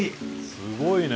すごいね。